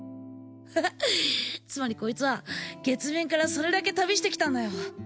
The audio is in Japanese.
フフッつまりこいつは月面からそれだけ旅してきたんだよ